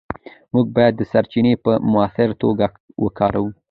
موږ باید سرچینې په مؤثره توګه وکاروو.